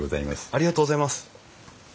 ありがとうございます。